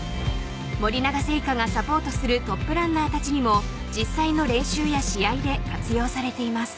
森永製菓がサポートするトップランナーたちにも実際の練習や試合で活用されています。